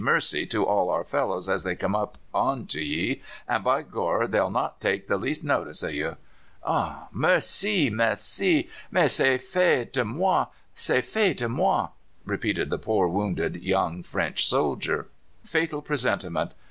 mercy!' to all our fellows as they come up to ye, and, by Gor! they'll not take the least notice of you." "Ah! merci! merci! Mais c'est fait de moi! c'est fait de moi!" repeated the poor wounded young French officer. Fatal presentiment!